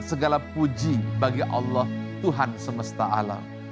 segala puji bagi allah tuhan semesta alam